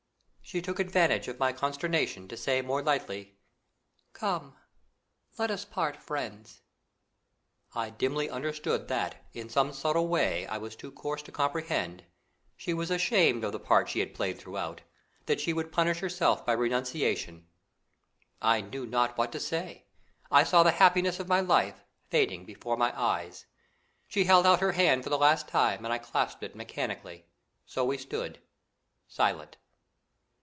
She took advantage of my consternation to say more lightly: "Come, let us part friends." I dimly understood that, in some subtle way I was too coarse to comprehend, she was ashamed of the part she had played throughout, that she would punish herself by renunciation. I knew not what to say; I saw the happiness of my life fading before my eyes. She held out her hand for the last time and I clasped it mechanically. So we stood, silent.